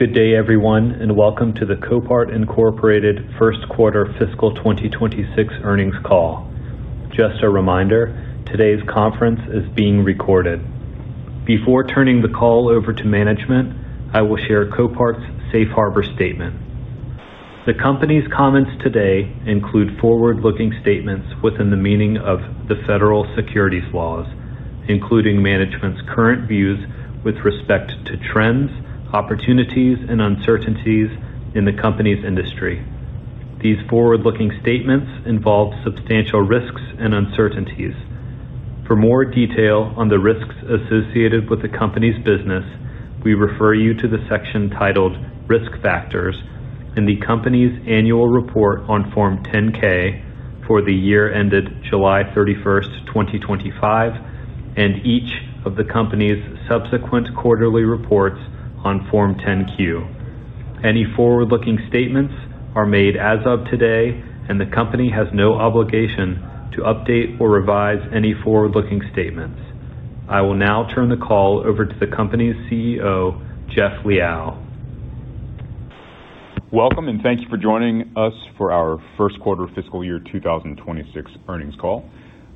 Good day everyone and welcome to the Copart First Quarter Fiscal 2026 Earnings Call. Just a reminder, today's conference is being recorded. Before turning the call over to Management, I will share Copart's Safe Harbor statement. The Company's comments today include forward looking statements within the meaning of the federal securities laws, including management's current views with respect to trends, opportunities and uncertainties in the Company's industry. These forward looking statements involve substantial risks and uncertainties. For more detail on the risks associated with the Company's business, we refer you to the section titled Risk Factors in the Company's Annual Report on Form 10K for the year ended July 31, 2025 and each of the Company's subsequent quarterly reports on Form 10Q. Any forward looking statements are made as of today and the Company has no obligation to update or revise any forward looking statements. I will now turn the call over to the Company's CEO Jeff Liaw. Welcome and thank you for joining us for our First Quarter Fiscal Year 2026 earnings call.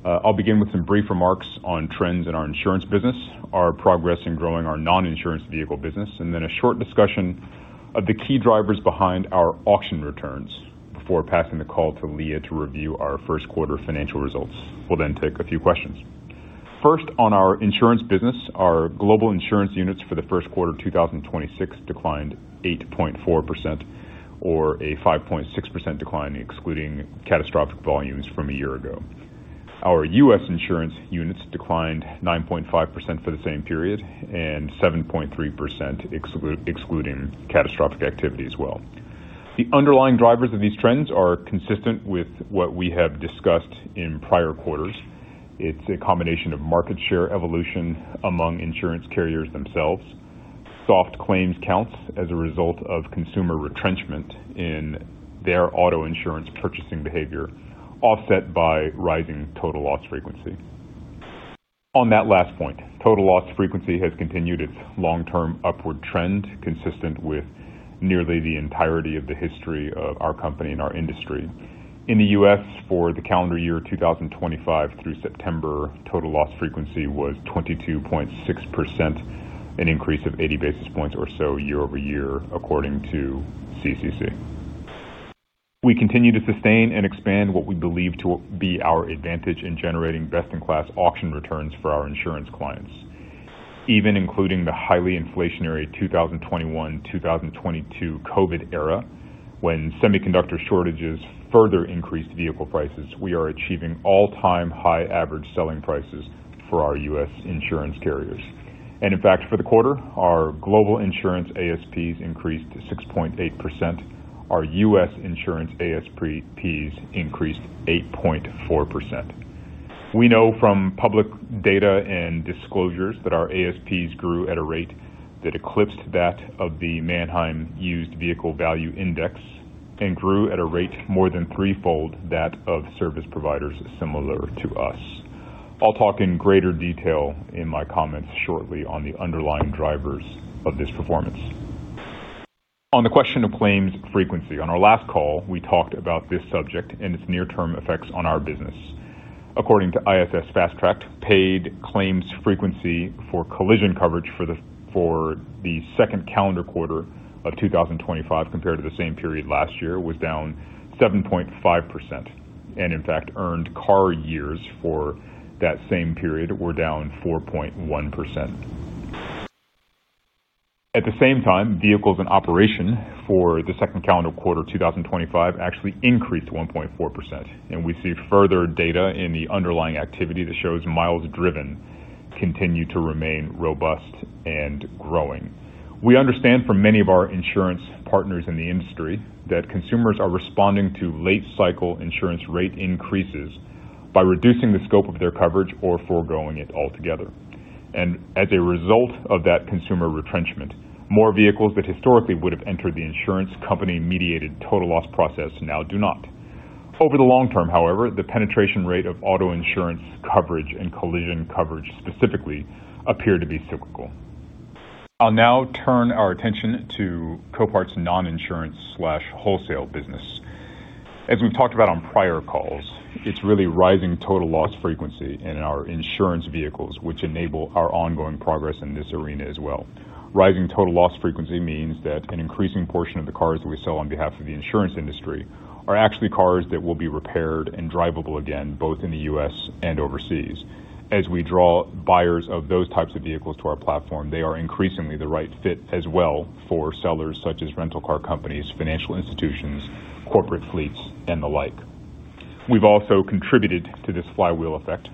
I'll begin with some brief remarks on trends in our insurance business, our progress in growing our non insurance vehicle business, and then a short discussion of the key drivers behind our auction returns before passing the call to Leah to review our first quarter financial results. We'll then take a few questions. First on our insurance business. Our global insurance units for the first quarter 2026 declined 8.4% or a 5.6% decline excluding catastrophic volumes from a year ago. Our U.S. insurance units declined 9.5% for the same period and 7.3% excluding catastrophic activity as well. The underlying drivers of these trends are consistent with what we have discussed in prior quarters. It's a combination of market share evolution among insurance carriers themselves. Soft claims counts as a result of consumer retrenchment in their auto insurance purchasing behavior offset by rising total loss frequency. On that last point, total loss frequency has continued its long term upward trend consistent with nearly the entirety of the history of our company and our industry in the U.S. For the calendar year 2025 through September, total loss frequency was 22.6%, an increase of 80 basis points or so year-over-year according to CCC. We continue to sustain and expand what we believe to be our advantage in generating best in class auction returns for our insurance clients. Even including the highly inflationary 2021-2022 Covid era when semiconductor shortages further increased vehicle prices, we are achieving all time high average selling prices for our U.S. insurance carriers and in fact for the quarter our global insurance ASPs increased 6.8%, our U.S. insurance ASPs increased 8.4%. We know from public data and disclosures that our ASPs grew at a rate that eclipsed that of the Mannheim Used Vehicle Value Index and grew at a rate more than threefold that of service providers similar to us. I'll talk in greater detail in my comments shortly on the underlying drivers of this performance. On the question of claims frequency, on our last call we talked about this subject and its near term effects on our business. According to ISS, fast tracked paid claims frequency for collision coverage for the second calendar quarter of 2025 compared to the same period last year was down 7.5% and in fact earned car years for that same period were down 4.1%. At the same time, vehicles in operation for the second calendar quarter 2025 actually increased 1.4% and we see further data in the underlying activity that shows driven continue to remain robust and growing. We understand from many of our insurance partners in the industry that consumers are responding to late cycle insurance rate increases by reducing the scope of their coverage or foregoing it altogether. As a result of that consumer retrenchment, more vehicles that historically would have entered the insurance company mediated total loss process now do not. Over the long term, however, the penetration rate of auto insurance coverage and collision coverage specifically appear to be cyclical. I'll now turn our attention to Copart's non insurance wholesale business. As we talked about on prior calls, it's really rising total loss frequency in our insurance vehicles which enable our ongoing progress in this arena as well. Rising total loss frequency means that an increasing portion of the cars that we sell on behalf of the insurance industry are actually cars that will be repaired and drivable again both in the U.S. and overseas. As we draw buyers of those types of vehicles to our platform, they are increasingly the right fit as well for sellers such as rental car companies, financial institutions, corporate fleets and the like. We have also contributed to this flywheel effect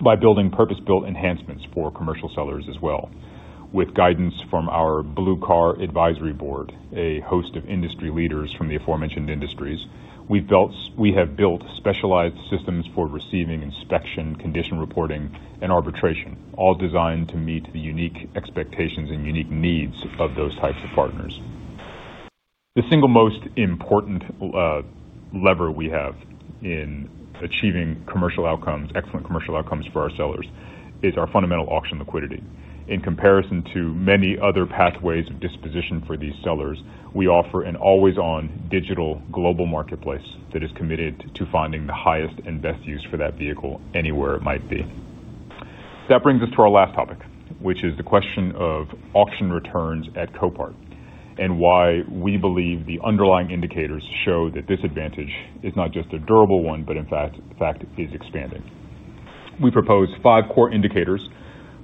by building purpose-built enhancements for commercial sellers as well. With guidance from our Blue Car Advisory Board, a host of industry leaders from the aforementioned industries, we have built specialized systems for receiving inspection, condition reporting and arbitration, all designed to meet the unique expectations and unique needs of those types of partners. The single most important lever we have in achieving commercial outcomes, excellent commercial outcomes for our sellers, is our fundamental auction liquidity in comparison to many other pathways of disposition. For these sellers, we offer an always on digital global marketplace that is committed to finding the highest and best use for that vehicle, vehicle, anywhere it might be. That brings us to our last topic, which is the question of auction returns at Copart and why we believe the underlying indicators show that this advantage is not just a durable one, but in fact is expanding. We propose five core indicators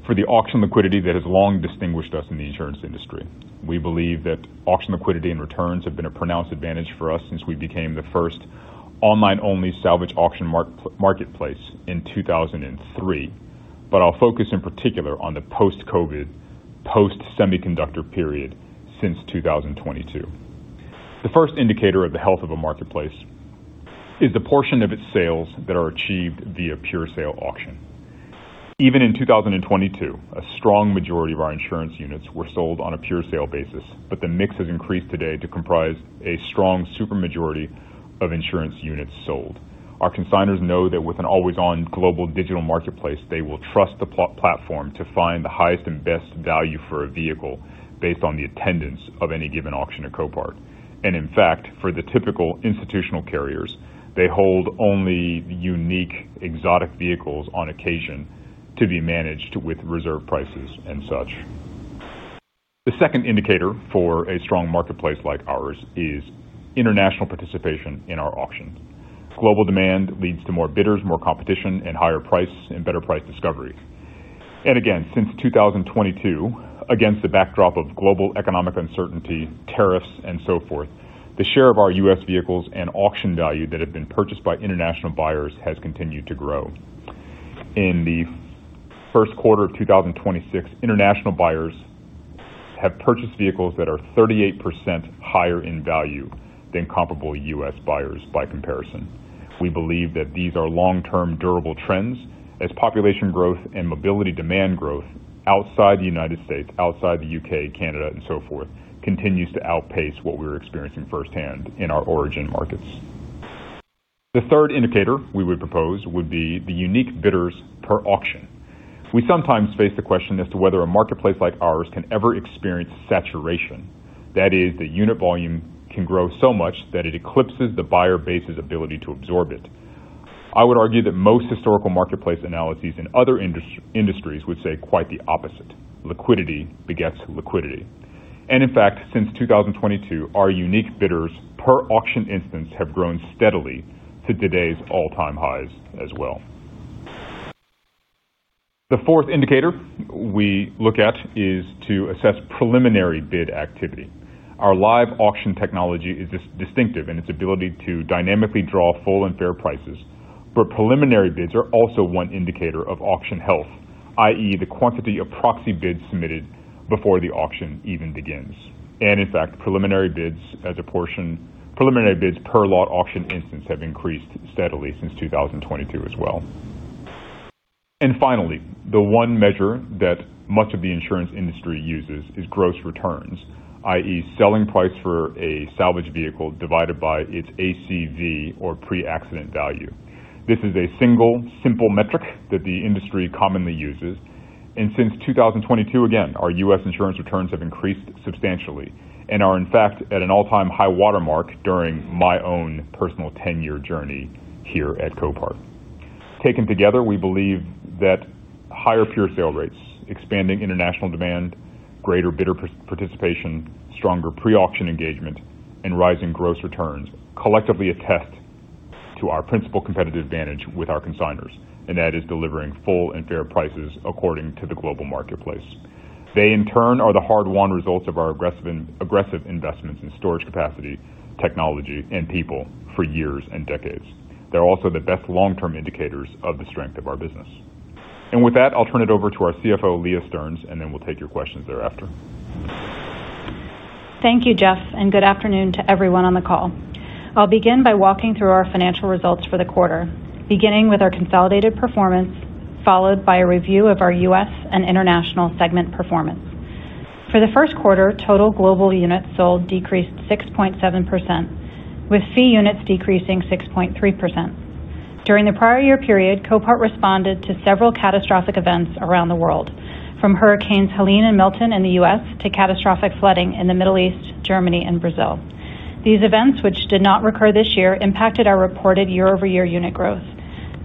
for the auction liquidity that has long distinguished us in the insurance industry. We believe that auction liquidity and returns have been a pronounced advantage for us since we became the first online only salvage auction marketplace in 2003. I'll focus in particular on the post Covid post semiconductor period since 2022. The first indicator of the health of a marketplace is the portion of its sales that are achieved via pure sale auction. Even in 2022, a strong majority of our insurance units were sold on a pure sale basis. The mix has increased today to comprise a strong supermajority of insurance units sold. Our consignors know that with an always on global digital marketplace, they will trust the platform to find the highest and best value for a vehicle based on the attendance of any given auction or Copart. In fact, for the typical institutional carriers, they hold only unique exotic vehicles on occasion to be managed with reserve prices and such. The second indicator for a strong marketplace like ours is international participation in our auctions. Global demand leads to more bidders, more competition and higher price and better price discovery. Since 2022, against the backdrop of global economic uncertainty, tariffs and so forth, the share of our U.S. vehicles and auction value that have been purchased by international buyers has continued to grow. In the first quarter of 2026, international buyers have purchased vehicles that are 38% higher in value than comparable U.S. buyers by comparison. We believe that these are long term durable trends as population growth and mobility, demand growth outside the United States, outside the U.K., Canada and so forth continues to outpace what we are experiencing firsthand in our origin markets. The third indicator we would propose would. Be the unique bidders per auction. We sometimes face the question as to whether a marketplace like ours can ever experience saturation. That is, the unit volume can grow so much that it eclipses the buyer base's ability to absorb it. I would argue that most historical marketplace analyses in other industries would say quite the opposite. Liquidity begets liquidity, and in fact since 2022 our unique bidders per auction instance have grown steadily to today's all-time highs as well. The fourth indicator we look at is to assess preliminary bid activity. Our live auction technology is distinctive in its ability to dynamically draw full and fair prices. Preliminary bids are also one indicator of auction health, that is, the quantity of proxy bids submitted before the auction even begins. In fact, preliminary bids as a portion of preliminary bids per lot auction instance have increased steadily since 2022 as well. Finally, the one measure that much of the insurance industry uses is gross returns, that is selling price for a salvage vehicle divided by its ACV or pre accident value. This is a single simple metric that the industry commonly uses. Since 2022 again, our US insurance returns have increased substantially and are in fact at an all time high watermark during my own personal 10 year journey here at Copart. Taken together, we believe that higher pure sale rates, expanding international demand, greater bidder participation, stronger pre auction engagement and rising gross returns collectively attest to our principal competitive advantage with our consignors. That is delivering full and fair prices according to the global marketplace. They in turn are the hard won results of our aggressive investments in storage capacity, technology and people for years and decades. They're also the best long term indicators of the strength of our business. With that, I'll turn it over to our CFO Leah Stearns, and then we'll take your questions thereafter. Thank you Jeff and good afternoon to everyone on the call. I'll begin by walking through our financial results for the quarter, beginning with our consolidated performance, followed by a review of our US and international segment performance. For the first quarter, total global units sold decreased 6.7% with fee units decreasing 6.3%. During the prior year period, Copart responded to several catastrophic events around the world, from Hurricanes Helene and Milton in the US to catastrophic flooding in the Middle East, Germany and Brazil. These events, which did not recur this year, impacted our reported year-over-year unit growth.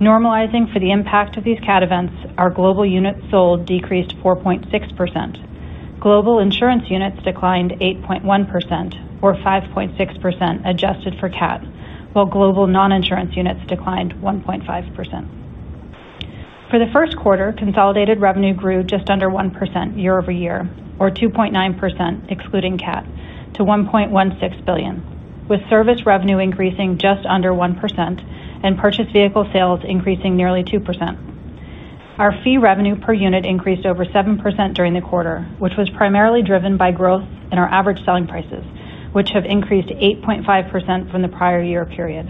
Normalizing for the impact of these CAT events, our global units sold decreased 4.6%. Global insurance units declined 8.1% or 5.6% adjusted for CAT, while global non insurance units declined 1.5%. For the first quarter, consolidated revenue grew just under 1% year-over-year or 2.9% excluding CAT to $1.16 billion. With service revenue increasing just under 1% and purchased vehicle sales increasing nearly 2%. Our fee revenue per unit increased over 7% during the quarter, which was primarily driven by growth in our average selling prices which have increased 8.5% from the prior year period.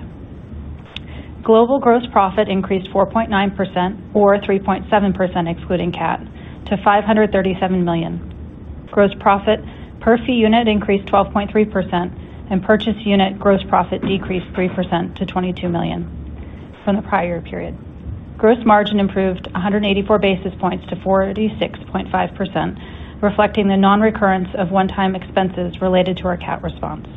Global gross profit increased 4.9% or 3.7% excluding CAT to $537 million. Gross profit per fee unit increased 12.3% and purchase unit gross profit decreased 3% to $22 million from the prior year period. Gross margin improved 184 basis points to 46.5% reflecting the non recurrence of one time expenses related to our CAT response.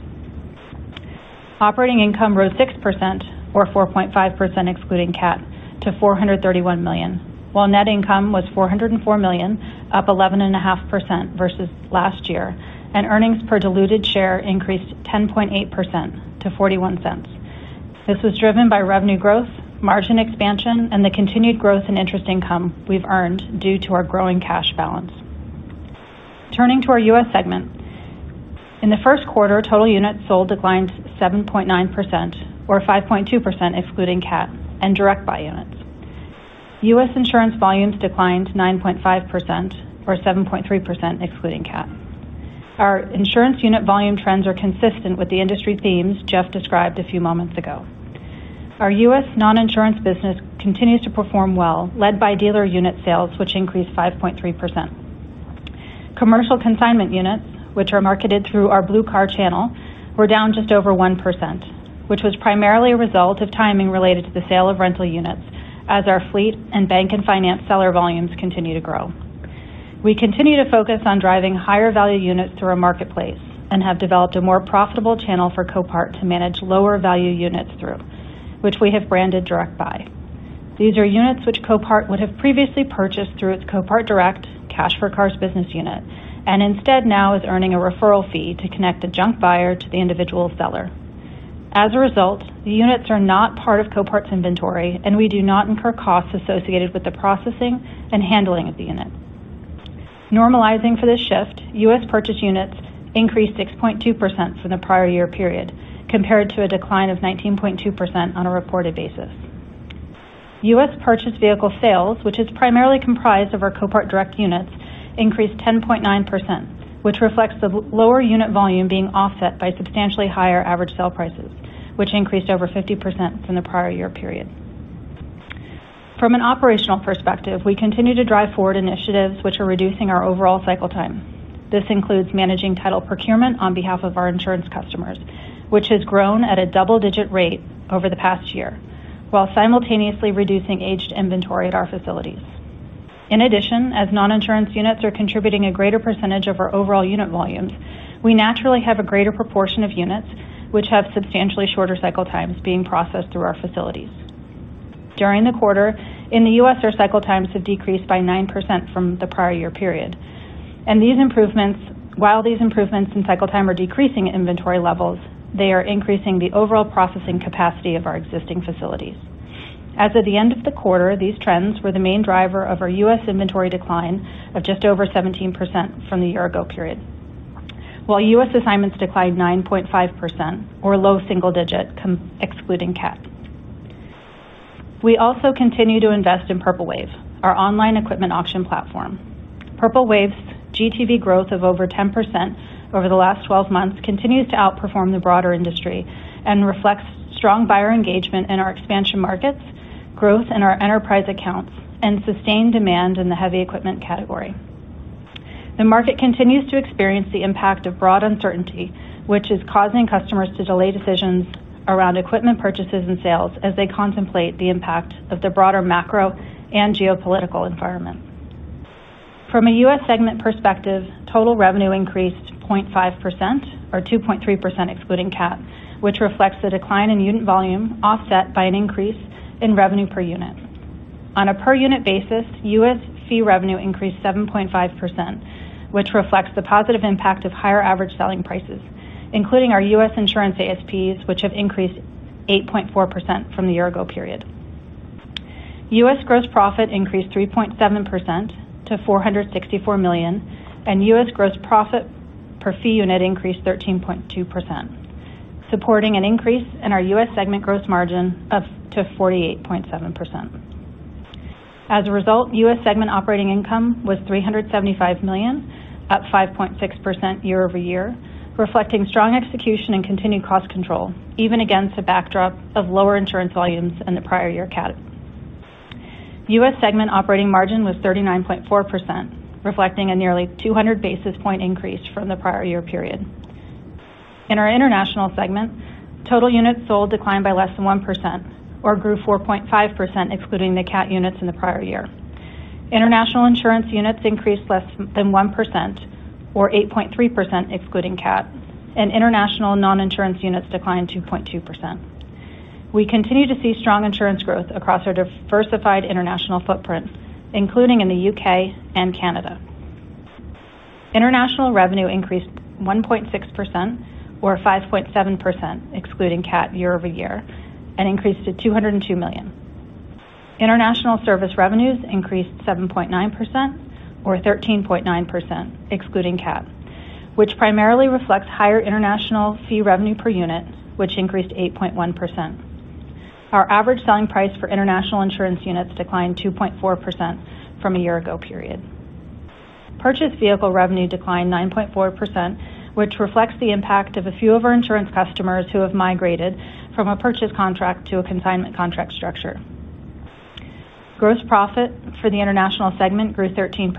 Operating income rose 6% or 4.5% excluding CAT to $431 million while net income was $404 million up 11.5% versus last year and earnings per diluted share increased 10.8% to $0.41. This was driven by revenue growth, margin expansion and the continued growth in interest income we've earned due to our growing cash balance. Turning to our US segment in the first quarter, total units sold declined 7.9% or 5.2% excluding CAT and direct buy units. U.S. insurance volumes declined 9.5% or 7.3% excluding CAT. Our insurance unit volume trends are consistent with the industry themes Jeff described a few moments ago. Our U.S. non-insurance business continues to perform well, led by dealer unit sales which increased 5.3%. Commercial consignment units which are marketed through our Blue Car channel were down just over 1% which was primarily a result of timing related to the sale of rental units. As our fleet and bank and finance seller volumes continue to grow, we continue to focus on driving higher value units through our marketplace and have developed a more profitable channel for Copart to manage lower value units through which we have branded Direct Buy. These are units which Copart would have previously purchased through its Copart Direct Cash for Cars business unit and instead now is earning a referral fee to connect a junk buyer to the individual seller. As a result, the units are not part of Copart's inventory and we do not incur costs associated with the processing and handling of the units. Normalizing for this shift, U.S. purchase units increased 6.2% from the prior year period compared to a decline of 19.2% on a reported basis. U.S. purchased vehicle sales, which is primarily comprised of our Copart Direct units, increased 10.9% which reflects the lower unit volume being offset by substantially higher average sale prices which increased over 50% from the prior year period. From an operational perspective, we continue to drive forward initiatives which are reducing our overall cycle time. This includes managing title procurement on behalf of our insurance customers which has grown at a double-digit rate over the past year while simultaneously reducing aged inventory at our facilities. In addition, as non-insurance units are contributing a greater percentage of our overall unit volumes, we naturally have a greater proportion of units which have substantially shorter cycle times being processed through our facilities during the quarter. In the U.S. our cycle times have decreased by 9% from the prior year period and these improvements. While these improvements in cycle time are decreasing inventory levels, they are increasing the overall processing capacity of our existing facilities. As of the end of the quarter, these trends were the main driver of our U.S. inventory decline of just over 17% from the year ago period while U.S. assignments declined 9.5% or low single digit excluding CAT. We also continue to invest in Purple Wave, our online equipment auction platform. Purple Wave's GTV growth of over 10% over the last 12 months continues to outperform the broader industry and reflects strong buyer engagement in our expansion markets, growth in our enterprise accounts and sustained demand in the heavy equipment category. The market continues to experience the impact of broad uncertainty which is causing customers to delay decisions around equipment purchases and sales as they contemplate the impact of the broader macro and geopolitical environment. From a U.S. segment perspective, total revenue increased 0.5% or 2.3% excluding CAT, which reflects the decline in unit volume offset by an increase in revenue per unit. On a per unit basis, U.S. fee revenue increased 7.5% which reflects the positive impact of higher average selling prices including our U.S. insurance ASPs, which have increased 8.4% from the year ago period. U.S. gross profit increased 3.7% to $464 million and U.S. gross profit per fee unit increased 13.2%, supporting an increase in our U.S. segment gross margin up to 48.7%. As a result, U.S. segment operating income was $375 million at 5.6% year-over-year, reflecting strong execution and continued cost control even against a backdrop of lower insurance volumes. In the prior year, CAT U.S. segment operating margin was 39.4% reflecting a nearly 200 basis point increase from the prior year period. In our international segment, total units sold declined by less than 1% or grew 4.5% excluding the CAT units. In the prior year, international insurance units increased less than 1% or 8.3% excluding CAT and international non-insurance units declined 2.2%. We continue to see strong insurance growth across our diversified international footprint including in the U.K. and Canada. International revenue increased 1.6% or 5.7% excluding CAT year-over-year and increased to $202 million. International service revenues increased 7.9% or 13.9% excluding CAT, which primarily reflects higher international fee revenue per unit which increased 8.1%. Our average selling price for international insurance units declined 2.4% from a year ago period. Purchased vehicle revenue declined 9.4% which reflects the impact of a few of our insurance customers who have migrated from a purchase contract to a consignment contract structure. Gross profit for the international segment grew 13%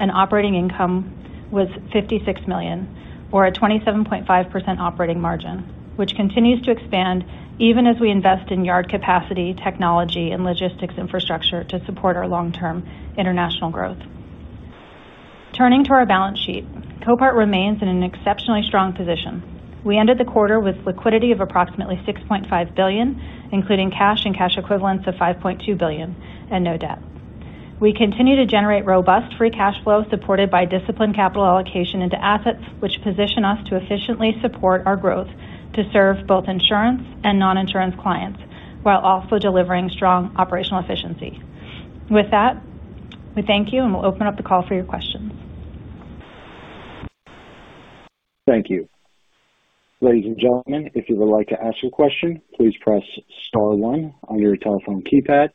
and operating income was $56 million, or a 27.5% operating margin, which continues to expand even as we invest in yard capacity, technology and logistics infrastructure to support our long term international growth. Turning to our balance sheet, Copart remains in an exceptionally strong position. We ended the quarter with liquidity of approximately $6.5 billion, including cash and cash equivalents of $5.2 billion and no debt. We continue to generate robust free cash flow supported by disciplined capital allocation into assets which position us to efficiently support our growth to serve both insurance and non insurance clients, while also delivering strong operational efficiency. With that, we thank you and we'll open up the call for your questions. Thank you, ladies and gentlemen. If you would like to ask a question, please press star one on your telephone keypad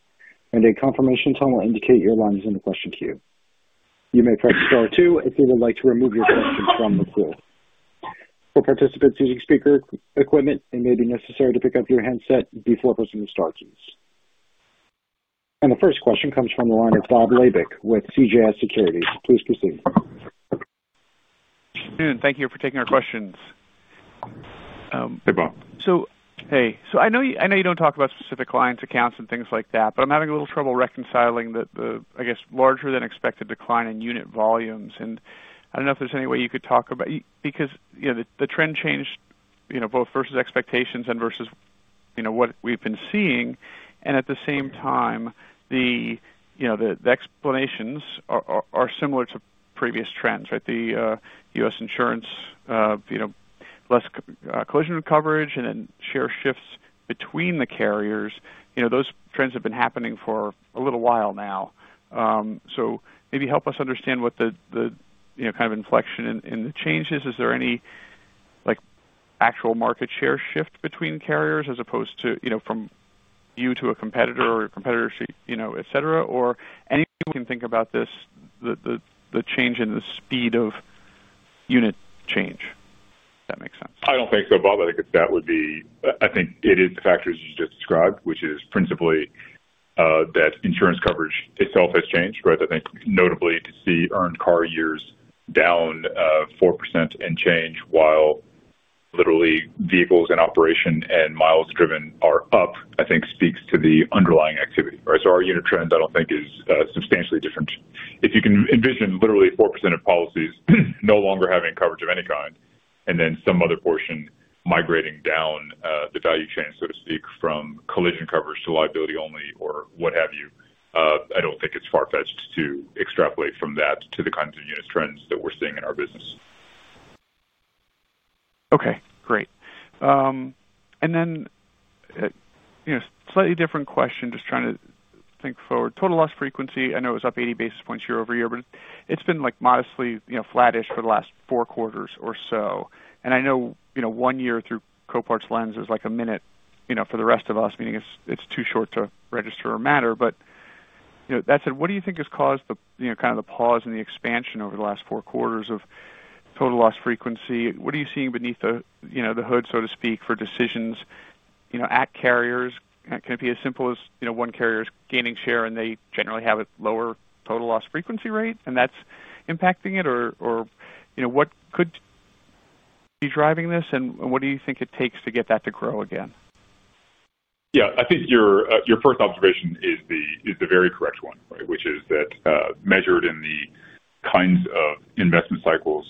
and a confirmation tone will indicate your line is in the question queue. You may press star two if you would like to remove your questions from the pool. For participants using speaker equipment, it may be necessary to pick up your handset before closing the star queues. The first question comes from the line of Bob Labick with CJS Securities. Please proceed. Thank you for taking our questions. Hey Bob. Hey. I know you don't talk about specific clients, accounts, and things like that, but I'm having a little trouble reconciling the, I guess, larger than expected decline in unit volumes. I don't know if there's any way you could talk about, because you know, the trend changed, you know, both versus expectations and versus, you know, what we've been seeing. At the same time, the, you know, the explanations are similar to previous trends, right? The U.S. insurance, less collision coverage, and then share shifts between the carriers. You know, those trends have been happening for a little while now. Maybe help us understand what the kind of inflection in the change is. Is there any like actual market share shift between carriers as opposed to, you know, from you to a competitor or competitor, you know, et cetera or anyone can think about this. The, the change in the speed of unit change. That makes sense. I don't think so, Bob. I think that would be, I think it is the factors you just described, which is principally that insurance coverage itself has changed, I think notably to see earned car years down 4% and change while literally vehicles in operation and miles driven are up, I think speaks to the underlying activity. Our unit trend I don't think is substantially different. If you can envision literally 4% of policies no longer having coverage of any kind and then some other portion migrating down the value chain, so to speak, from collision coverage to liability only or what have you. I don't think it's far fetched to extrapolate from that to the kinds of units, trends that we're seeing in our business. Okay, great. You know, slightly different question, just trying to think forward. Total loss frequency. I know it's up 80 basis points yea- over-year, but it's been like modestly flattish for the last four quarters or so. I know one year through Copart's lens is like a minute for the rest of us, meaning it's too short to register or matter. That said, what do you think has caused the pause in the expansion over the last four quarters of total loss frequency? What are you seeing beneath the hood, so to speak, for decisions, you know, at carriers, can it be as simple as, you know, one carrier is gaining share and they generally have a lower total loss frequency rate and that's impacting it or you know, what could be driving this and what do you think it takes to get that to grow again? Yeah, I think your first observation is the very correct one, which is that measured in the kinds of investment cycles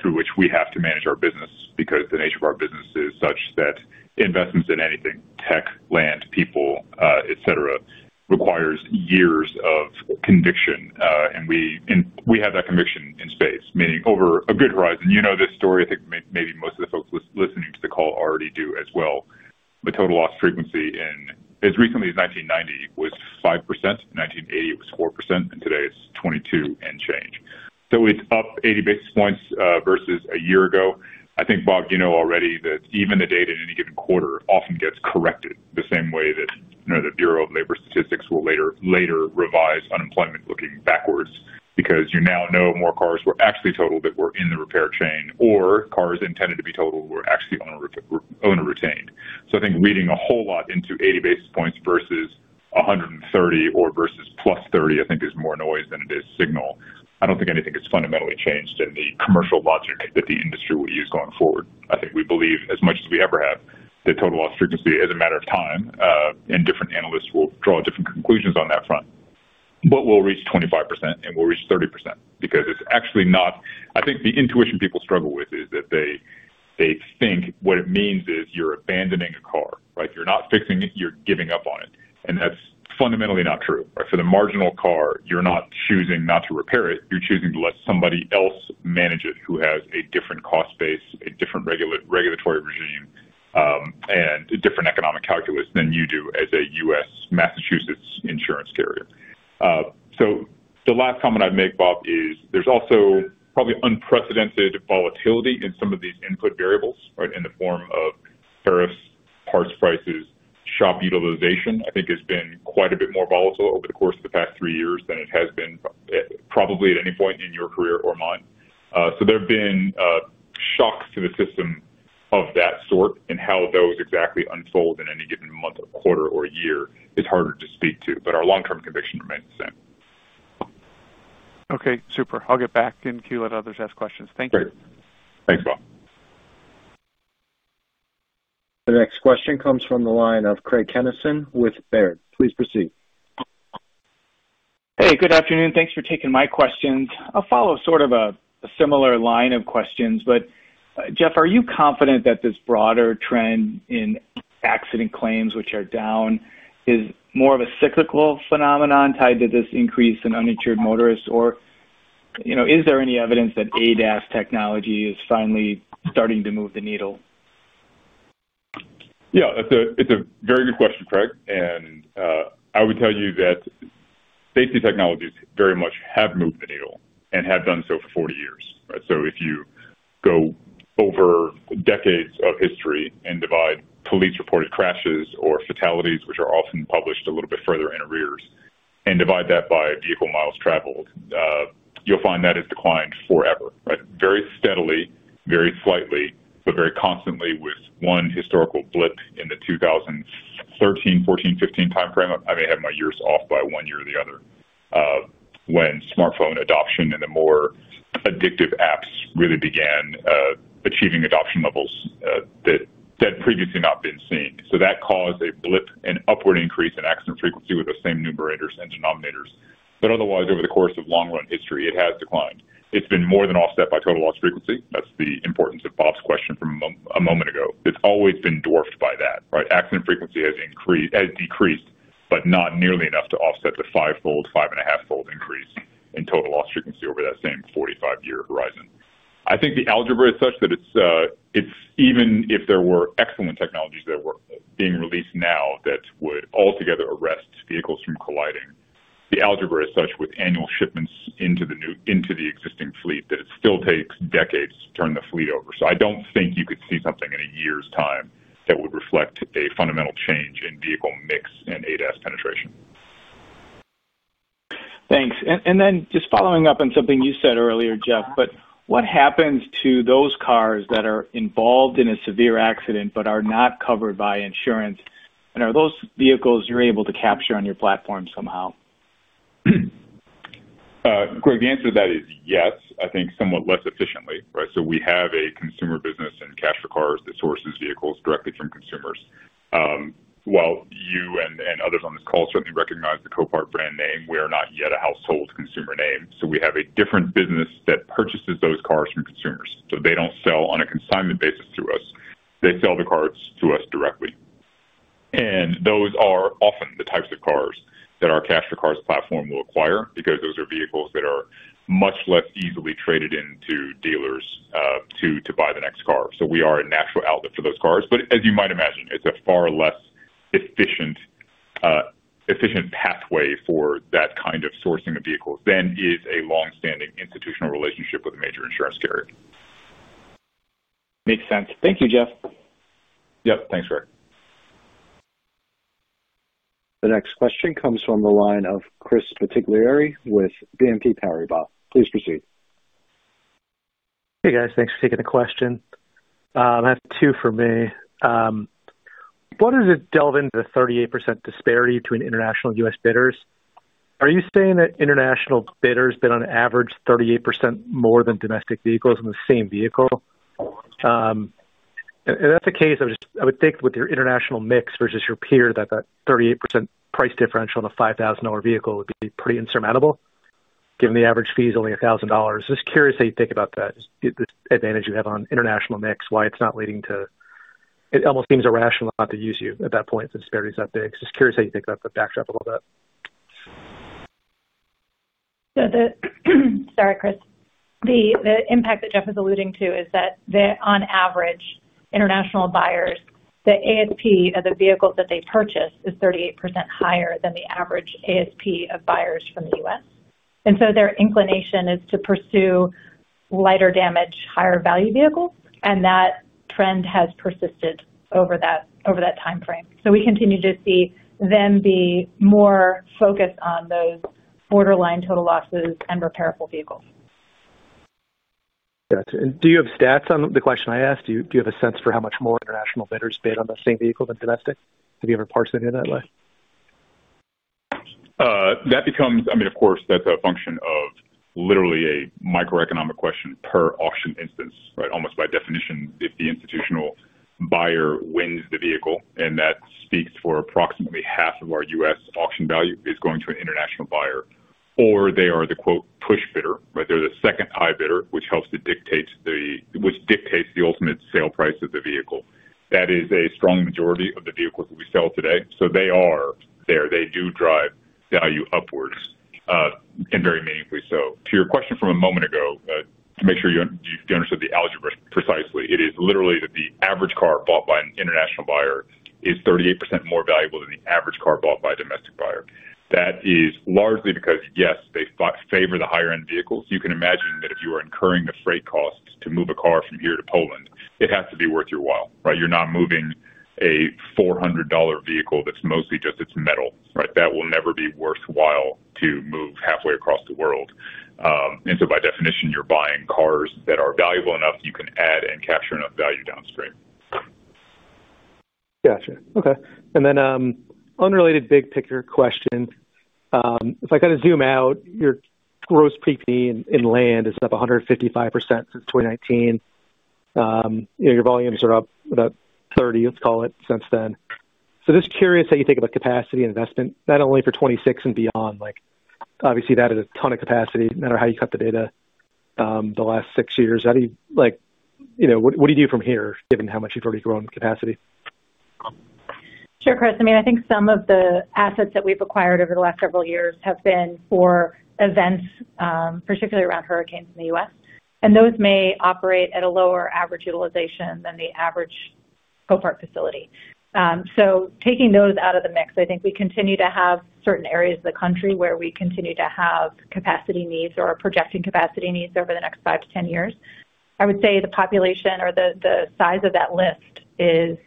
through which we have to manage our business because the nature of our business is such that investments in anything, tech, land, people, et cetera, requires years of conviction. And we have that conviction in space, meaning over a good horizon. You know this story. I think maybe most of the folks listening to the call already do as well. The total loss frequency in as recently as 1990 was 5%, 1980 was 4%, and today it's 22% and change. So it's up 80 basis points versus a year ago. I think, Bob, you know already that even the data in any given quarter often gets corrected the same way that the Bureau of Labor Statistics will later revise unemployment. Looking backwards, because you now know more cars were actually totaled that were in the repair chain or cars intended to be total were actually owner retained. I think reading a whole lot into 80 basis points versus 130 or versus plus 30, I think is more noise than this signal. I do not think anything has fundamentally changed in the commercial logic that the industry will use going forward. I think we believe as much as we ever have that total loss frequency is a matter of time and different analysts will draw different conclusions on that front. We will reach 25% and we will reach 30% because it is actually not. I think the intuition people struggle with is that they, they think what it means is you are abandoning a car, right? You are not fixing it, you are giving up on it. That is fundamentally not true for the marginal car. You're not choosing not to repair it, you're choosing to let somebody else manage it who has a different cost base, a different regulatory regime, and a different economic calculus than you do as a U.S. Massachusetts Insurance Carrier. The last comment I'd make, Bob, is there's also probably unprecedented volatility in some of these input variables. Right. In the form of tariffs, parts prices, shop utilization, I think has been quite a bit more volatile over the course of the past three years than it has been probably at any point in your career or mine. There have been shocks to the system of that sort and how those exactly unfold in any given month or quarter or year, it's harder to speak to, but our long term conviction remains the same. Okay, super. I'll get back in queue, let others ask questions. Thank you. Thanks, Bob. The next question comes from the line of Craig Kennison with Baird. Please proceed. Hey, good afternoon. Thanks for taking my questions. I'll follow sort of a similar line of questions. Jeff, are you confident that this broader trend in accident claims, which are down, is more of a cyclical phenomenon tied to this increase in uninsured motorists or, you know, is there any evidence that ADAS technology is finally starting to move the needle? Yeah, it's a very good question, Craig. I would tell you that safety technologies very much have moved the needle and have done so for 40 years. Right. If you go over decades of history and divide police reported crashes or fatalities, which are often published a little bit further in arrears, and divide that by vehicle miles traveled, you'll find that has declined forever. Right. Very steadily, very slightly, but very constantly. With one historical blip in the 2013-2014-2015 timeframe, I may have my years off by one year or the other, when smartphone adoption and the more addictive apps really began achieving adoption levels that had previously not been seen. That caused a blip, an upward increase in accident frequency with the same numerators and denominators. Otherwise, over the course of long run history, it has declined. It's been more than offset by total loss frequency. That's the importance of Bob's question from a moment ago. It's always been dwarfed by that. Right. Accident frequency has increased, has decreased, but not nearly enough to offset the fivefold, five and a half fold increase in total loss frequency over that same 45 year horizon. I think the algebra is such that it's even if there were excellent technologies that were being released now that would altogether arrest vehicles from colliding, the algebra is such with annual shipments into the existing fleet that it still takes decades to turn the fleet over. I don't think you could see something in a year's time that would reflect a fundamental change in vehicle mix and ADAS penetration. Thanks. Just following up on something you said earlier, Jeff, what happens to those cars that are involved in a severe accident but are not covered by insurance and are those vehicles you're able to capture on your platform somehow? Craig, the answer to that is yes, I think somewhat less efficiently. Right. We have a consumer business and Cash for Cars that sources vehicles directly from consumers. While you and others on this call certainly recognize the Copart brand name, we are not yet a household consumer name. We have a different business that purchases those cars from consumers. They do not sell on a consignment basis to us. They sell the cars to us directly. Those are often the types of cars that our Cash for Cars platform will acquire because those are vehicles that are much less easily traded into dealers to buy the next car. We are a natural outlet for those cars. As you might imagine, it's a far less efficient pathway for that kind of sourcing of vehicles than is a long standing institutional relationship with a major insurance carrier. Makes sense. Thank you, Jeff. Yep. Thanks, Rick. The next question comes from the line of Chris Battipaglia with BNP Paribas. Please proceed. Hey guys, thanks for taking the question. I have two for me. What does it delve into the 38% disparity between international and US bidders? Are you saying that international bidders bid on average 38% more than domestic vehicles in the same vehicle? If that's the case, I would think with your international mix versus your peer that the 38% price differential on a $5,000 vehicle would be pretty insurmountable given the average fee is only $1,000. Just curious how you think about that advantage you have on international mix. Why it's not leading to it almost seems irrational not to use you at that point since disparity is that big. Just curious how you think about the backdrop a little bit. Sorry, Chris. The impact that Jeff is alluding to is that on average international buyers, the ASP of the vehicle that they purchase is 38% higher than the average ASP of buyers from the U.S., and their inclination is to pursue lighter damage, higher value vehicles. That trend has persisted over that timeframe. We continue to see them be more focused on those borderline total losses and repairable vehicles. Gotcha. Do you have stats on the question I asked? Do you have a sense for how much more international bidders bid on the same vehicle than domestic? Have you ever parsed any of that way? That becomes, I mean, of course, that's a function of literally a microeconomic question per auction instance. Right. Almost by definition, if the institutional buyer wins the vehicle, and that speaks for approximately half of our U.S. auction value is going to an international buyer. Or they are the, quote, push bidder right there, the second-highest bidder, which helps to dictate the, which dictates the ultimate sale price of the vehicle. That is a strong majority of the vehicles that we sell today. They are there. They do drive value upwards and very meaningfully so. To your question from a moment ago, make sure you understood the algebra precisely. It is literally that the average car bought by an international buyer is 38% more valuable than the average car bought by a domestic buyer. That is largely because, yes, they favor the higher end vehicles. You can imagine that if you are incurring the freight cost to move a car from here to Poland, it has to be worth your while. Right. You're not moving a $400 vehicle that's mostly just its metal. Right. That will never be worthwhile to move halfway across the world. By definition, you're buying cars that are valuable enough, you can add and capture enough value downstream. Gotcha. Okay. Then unrelated big picture question, if I kind of zoom out, your gross PPE in land is up 155% since 2019. You know, your volumes are up about 30%, let's call it, since then. Just curious how you think about capacity investment not only for 2026 and beyond. Like, obviously that is a ton of capacity, no matter how you cut the data the last six years. How do you, like, you know, what do you do from here, given how much you've already grown capacity. Sure, Chris. I mean, I think some of the assets that we've acquired over the last several years have been for events particularly around hurricanes in the U.S. and those may operate at a lower average utilization than the average Copart facility. Taking those out of the mix, I think we continue to have certain areas of the country where we continue to have capacity needs or are projecting capacity needs over the next five to 10 years. I would say the population or the size of that list is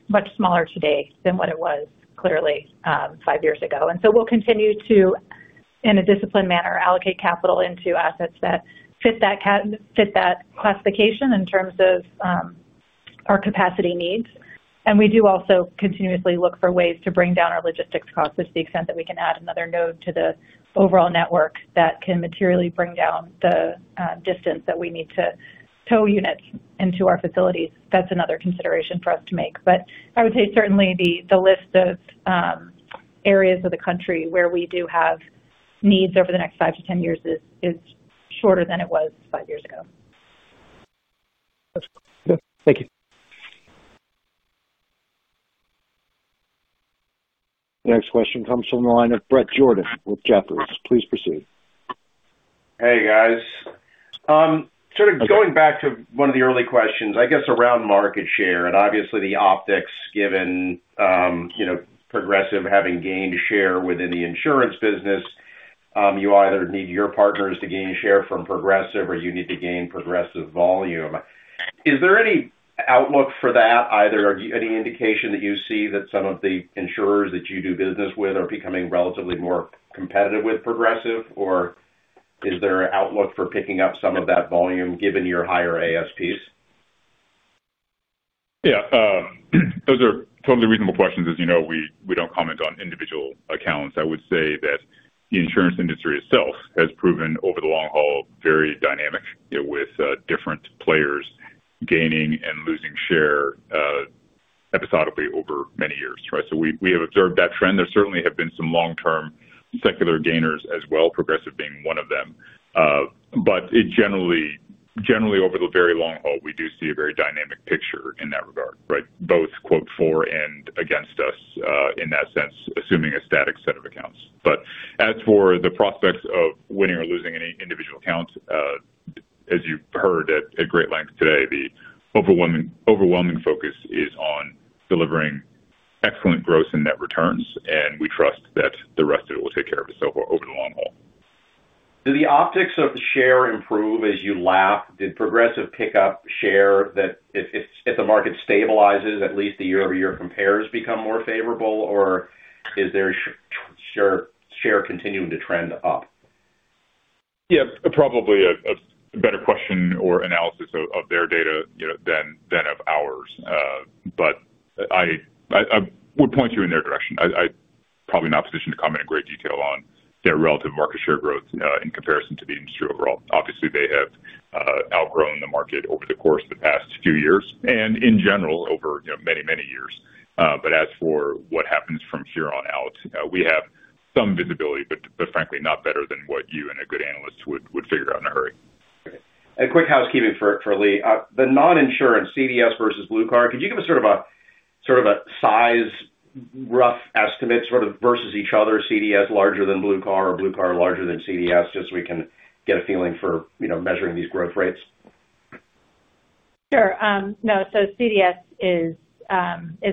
much smaller today than what it was clearly five years ago. We will continue to, in a disciplined manner, allocate capital into assets that fit that classification in terms of our capacity needs. We do also continuously look for ways to bring down our logistics cost to the extent that we can add another node to the overall network that can materially bring down the distance that we need to tow units into our facilities. That is another consideration for us to make. I would say certainly the list of areas of the country where we do have needs over the next five to ten years is shorter than it was five years ago. Thank you. Next question comes from the line of Bret Jordan with Jefferies. Please proceed. Hey guys, sort of going back to one of the early questions, I guess around market share and obviously the optics given, you know, Progressive having gained share within the insurance business, you either need your partners to gain share from Progressive or you need to gain Progressive volume. Is there any outlook for that either? Any indication that you see that some of the insurers that you do business with are becoming relatively more competitive with Progressive or is there outlook for picking up some of that volume given your higher ASPs? Yeah, those are totally reasonable questions. As you know, we don't comment on individual accounts. I would say that the insurance industry itself has proven over the long haul very dynamic with different players gaining and losing share episodically over many years. Right. We have observed that trend. There certainly have been some long term secular gainers as well, Progressive being one of them. It generally, generally over the very long haul we do see a very dynamic picture in that regard. Right. Both quote, for and against us in that sense, assuming a static set of accounts. As for the prospects of winning or losing any individual account, as you've heard at great length today, the overwhelming, overwhelming focus is on delivering excellent gross and net returns and we trust that the rest of it will take care of itself over the long haul. Do the optics of the share improve as you laugh, did Progressive pick up share that if the market stabilizes at least the year-over-year compares become more favorable? Or is their share continuing to trend up? Yeah, probably a better question or analysis of their data than of ours, but I would point you in their direction. I am probably not positioned to comment in great detail on their relative market share growth in comparison to the industry overall. Obviously they have outgrown the market over the course of the past few years and in general over many, many years. As for what happens from here on out, we have some visibility, but frankly not better than what you and a good analyst would figure out in a hurry. A quick housekeeping for Leah, the non-insurance CDS vs Blue Car. Could you give us sort of a, sort of a size rough estimate sort of versus each other? CDS larger than Blue Car or Blue Car larger than CDS just so we can get a feeling for, you know, measuring these growth rates? Sure. No, so CDS is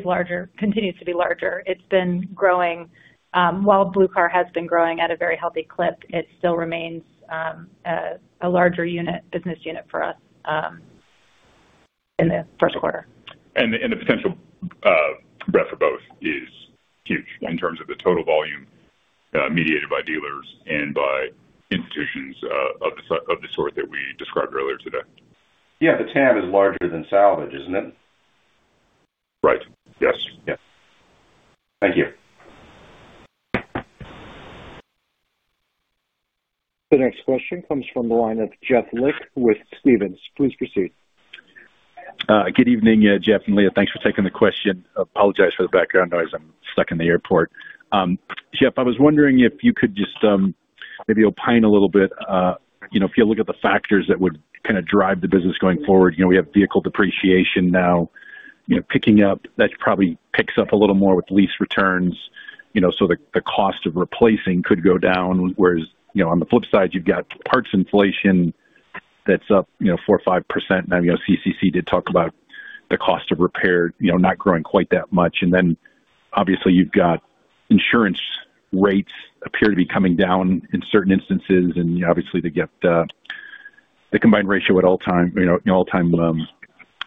larger, continues to be larger, it's been growing. While Blue Car has been growing at a very healthy clip, it still remains a larger unit, business unit for us in the first quarter. The potential breadth of both is huge in terms of the total volume mediated by dealers and by institutions of the sort that we described earlier today. Yeah, the tab is larger than salvage, isn't it? Right. Yes. Thank you. The next question comes from the line of Jeff Lick with Stephens. Please proceed. Good evening, Jeff and Leah. Thanks for taking the question. Apologize for the background noise. I'm stuck in the airport. Jeff, I was wondering if you could just maybe opine a little bit. You know, if you look at the factors that would kind of drive the business going forward, you know, we have vehicle depreciation now, you know, picking up, that probably picks up a little more with lease returns. So the cost of replacing could go down. Whereas on the flip side, you've got parts inflation that's up 4% or 5%. And CCC did talk about the cost of repair not growing quite that much. And then obviously you've got insurance rates. Appear to be coming down in certain instances. Obviously they get the combined ratio at all-time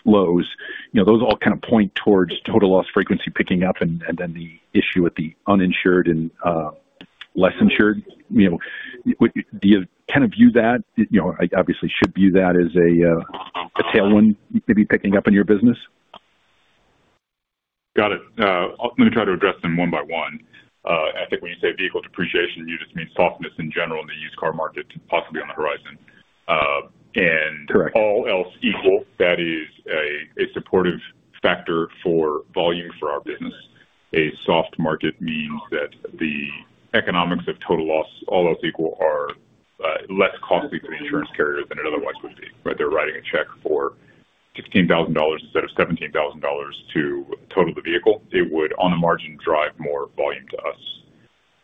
lows. Those all kind of point towards total loss frequency picking up. And then the issue with the uninsured and less insured, you know, do you kind of view that? You know, I obviously should view that. As a tailwind maybe picking up in your business. Got it. Let me try to address them one by one. I think when you say vehicle depreciation, you just mean softness in general in the used car market, possibly on the horizon. All else equal, that is a supportive factor for volume for our business. A soft market means that the economics of total loss, all else equal, are less costly for the insurance carrier than it otherwise would be. Right. They're writing a check for $16,000 instead of $17,000 to total the vehicle. It would on the margin drive more volume to us.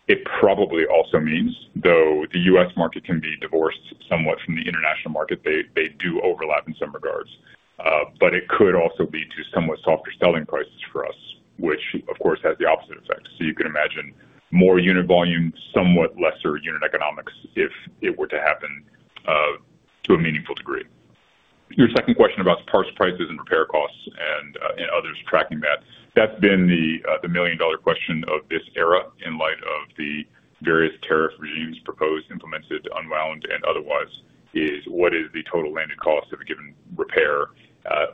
It probably also means, though the U.S. market can be divorced somewhat from the international market, they do overlap in some regards. It could also lead to somewhat softer selling prices for us, which of course has the opposite effect. You can imagine more unit volume, somewhat lesser unit economics if it were to happen to a meaningful degree. Your second question about parts prices and repair costs and others tracking that, that's been the million dollar question of this era in light of the various tariff regimes proposed, implemented, unwound and otherwise, is what is the total landed cost of a given repair.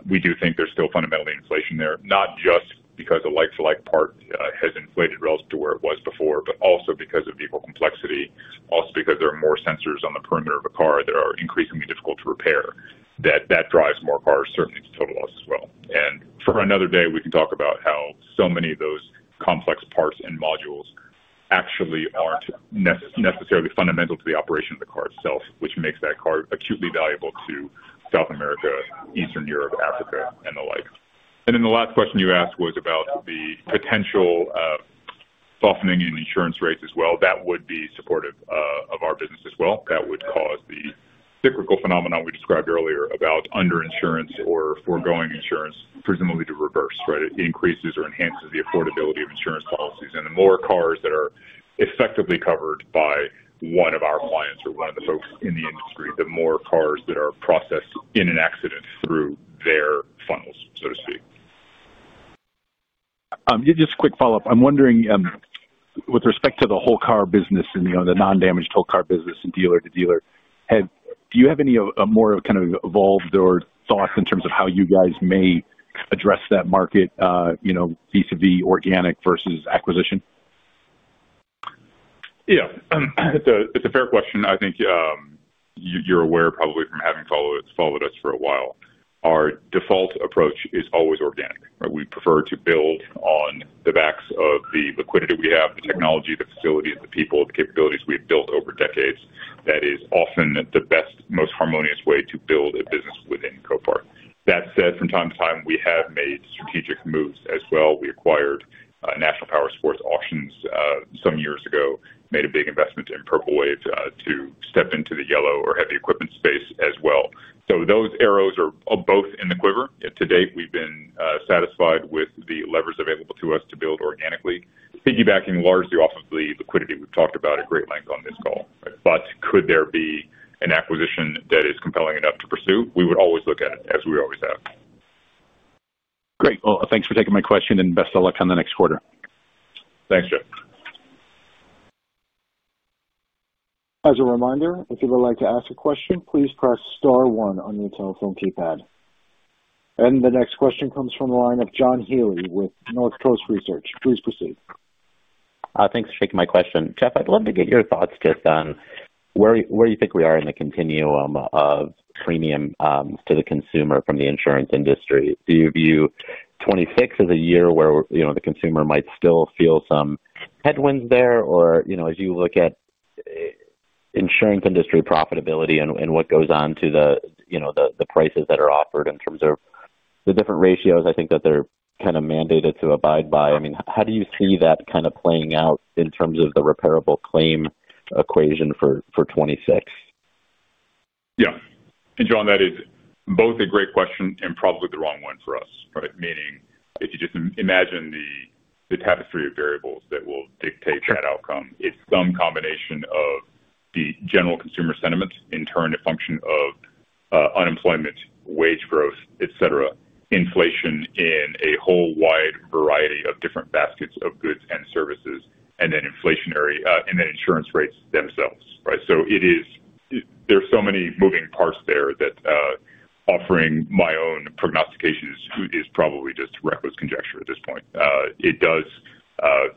We do think there's still fundamentally inflation there. Not just because the like for like part has inflated relative to where it was before, but also because of vehicle complexity. Also because there are more sensors on the perimeter of a car that are increasingly difficult to repair, that drives more car, certainly to total loss as well. For another day we can talk about how so many of those complex parts and modules actually are not necessarily fundamental to the operation of the car itself, which makes that car acutely valuable to South America, Eastern Europe, Africa and the like. The last question you asked was about the potential softening in insurance rates as well. That would be supportive of our business as well. That would cause the cyclical phenomenon we described earlier about underinsurance or foregoing insurance, presumably to reverse. Right. It increases or enhances the affordability of insurance policies. The more cars that are effectively covered by one of our clients or one of the folks in the industry, the more cars that are processed in an accident through their funnels, so to speak. Just a quick follow up. I'm wondering, with respect to the whole car business and, you know, the non. Damaged whole car business and dealer too. Dealer, do you have any more kind of evolved or thoughts in terms of how you guys may address that market, you know, vis a vis organic versus acquisition? Yeah, it's a fair question. I think you're aware probably from having followed us for a while. Our default approach is always organic. We prefer to build on the backs of the liquidity we have, the technology, the facilities, the people, the capabilities we've built over decades. That is often the best, most harmonious way to build a business within Copart. That said, from time to time we have made strategic moves as well. We acquired National Powersports Auctions some years ago, made a big investment in Purple Wave to step into the yellow or heavy equipment space as well. Those arrows are both in the quiver. To date we've been satisfied with the levers available to us to build organically, piggybacking largely off of the liquidity we've talked about at great length on this call. Could there be an acquisition that is compelling enough to pursue, we would always look at it as we always have. Great. Thanks for taking my question and best of luck on the next quarter. Thanks, Jeff. As a reminder, if you would like to ask a question, please press Star one on your telephone keypad. The next question comes from the line of John Healy with Northcoast Research. Please proceed. Thanks for taking my question, Jeff. I'd love to get your thoughts just on where, where do you think we are in the continuum of premium to the consumer from the insurance industry? Do you view 2026 as a year where, you know, the consumer might still feel some headwinds there or, you know, as you look at insurance industry profitability and what goes on to the, you know, the, the prices that are offered in terms of the different ratios, I think that they're kind of mandated to abide by. I mean, how do you see that kind of playing out in terms of the repairable claim equation for 2026? Yeah, and John, that is both a great question and probably the wrong one for us. Meaning if you just imagine the tapestry of variables that will dictate that outcome, it's some combination of the general consumer sentiment, in turn a function of unemployment, wage growth, et cetera, inflation in a whole wide variety of different baskets of goods and services, and then inflationary and then insurance rates themselves. Right. There are so many moving parts there that offering my own prognostications is probably just reckless conjecture at this point.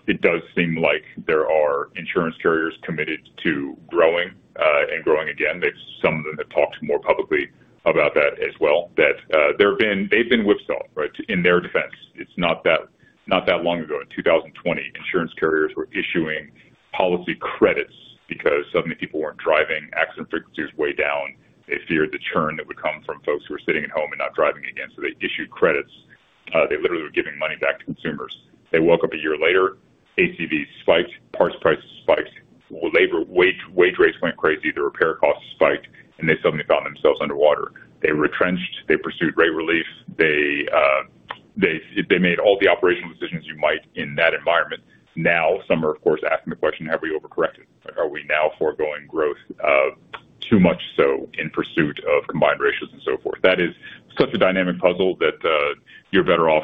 It does seem like there are insurance carriers committed to growing and growing again. Some of them have talked more publicly about that as well, that there have been. They've been whipsaw right in their defense. It's not that, not that long ago in 2020, insurance carriers were issuing policy credits because so many people weren't driving, accident frequencies way down. They feared the churn that would come from folks who were sitting at home and not driving again. So they issued credits. They literally were giving money back to consumers. They woke up a year later, ACV spiked, parts prices spiked, labor wage rates went crazy, the repair costs spiked and they suddenly found themselves underwater. They retrenched, they pursued rate relief, they made all the operational decisions you might in that environment. Now some are of course asking the question, have we overcorrected? Are we now foregoing growth too much so in pursuit of combined ratios and so forth. That is such a dynamic puzzle that you're better off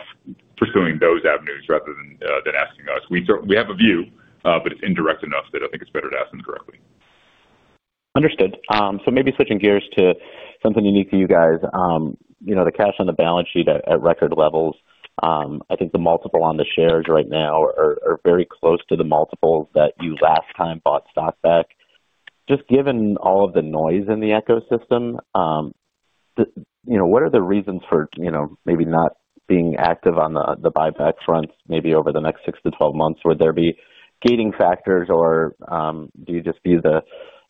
pursuing those avenues rather than asking us. We have a view, but indirect enough that I think it's better to ask them directly. Understood. Maybe switching gears to something unique to you guys. You know, the cash on the balance sheet at record levels. I think the multiple on the shares right now are very close to the multiple that you last time bought stock back. Just given all of the noise in the ecosystem, you know, what are the reasons for, you know, maybe not being active on the buyback front maybe over the next six to 12 months. Would there be gating factors or do you just view the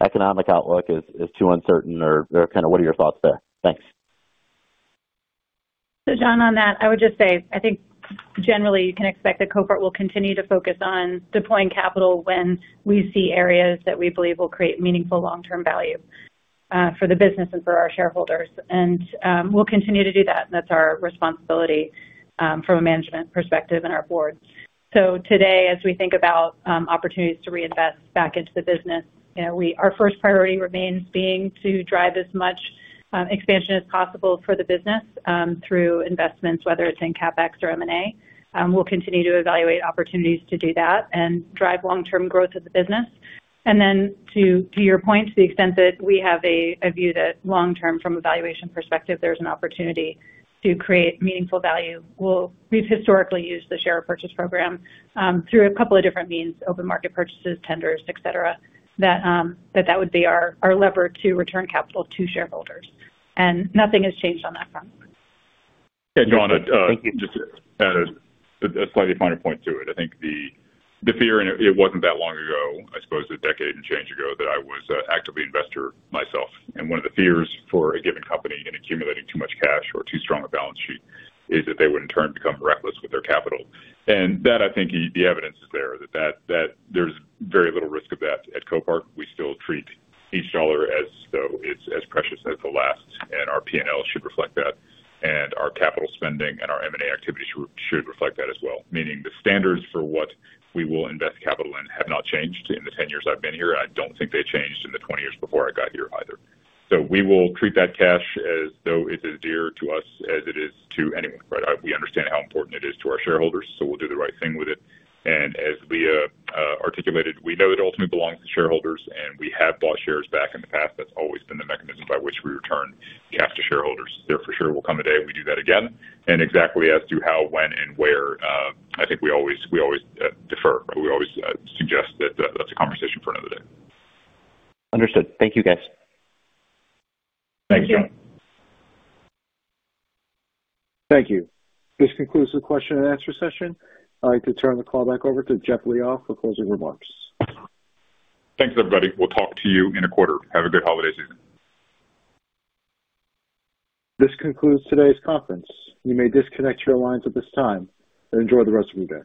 economic outlook is, is too uncertain or kind of. What are your thoughts there? Thanks. John, on that, I would just say I think generally you can expect that Copart will continue to focus on deploying capital when we see areas that we believe will create meaningful long term value for the business and for our shareholders. We'll continue to do that. That's our responsibility from a management perspective and our board. Today as we think about opportunities to reinvest back into the business, our first priority remains being to drive as much expansion as possible for the business through investments, whether it's in CapEx or M and A. We'll continue to evaluate opportunities to do that and drive long term growth of the business. To your point, to the extent that we have a view that long term from a valuation perspective, there's an opportunity to create meaningful value. We've historically used the share repurchase program through a couple of different means, open market purchases, tenders, et cetera. That would be our lever to return capital to shareholders. Nothing has changed on that front. Just a slightly finer point to it, I think the fear, and it was not that long ago, I suppose a decade and change ago that I was actively investor myself. One of the fears for a given company in accumulating too much cash or too strong a balance sheet is that they would in turn become reckless with their capital. I think the evidence is there that there is very little risk of that. At Copart, we still treat each dollar as though it is as precious as the last. Our P and L should reflect that and our capital spending and our M and A activity should reflect that as well. Meaning the standards for what we will invest capital in have not changed in the 10 years I have been here. I do not think they changed in the 20 years before I got here either. We will treat that cash as though it's as dear to us as it is to anyone. Right. We understand how important it is to our shareholders, so we will do the right thing with it. As Leah articulated, we know it ultimately belongs to shareholders, and we have bought shares back in the past. That has always been the mechanism by which we return capital to shareholders. There for sure will come a day, and we do that again. Exactly as to how, when, and where, I think we always defer. We always suggest that is a conversation for another day. Understood. Thank you, guys. Thank you. Thank you. This concludes the question and answer session. I'd like to turn the call back over to Jeff Liaw for closing remarks. Thanks, everybody. We'll talk to you in a quarter. Have a good holiday. Evening. This concludes today's conference. You may disconnect your lines at this time and enjoy the rest of your day.